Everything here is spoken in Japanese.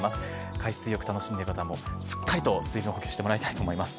海水浴楽しんでいる方も、しっかりと水分補給をしていただきたいと思います。